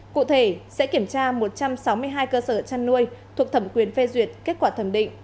cụ thể sẽ kiểm tra một trăm sáu mươi hai cơ sở chăn nuôi thuộc thẩm quyền phê duyệt kết quả thẩm định